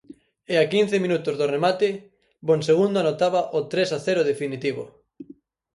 E a quince minutos do remate, Bonsegundo anotaba o tres a cero definitivo.